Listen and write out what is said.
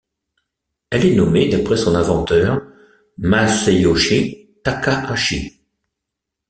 Elle est nommée d'après son inventeur, Masayoshi Takahashi.